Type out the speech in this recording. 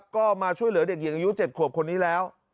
ก็มาช่วยเหลือเด็กหญิงอายุ๗ขวบคนนี้แล้ว